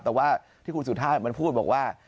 แต่ว่าที่คุณสุภาพมันพูดบอกว่า